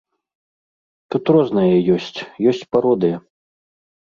Тут рознае ёсць, ёсць пародыя.